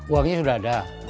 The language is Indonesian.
uangnya sudah ada